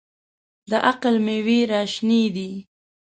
د عقل مېوې راشنېدې.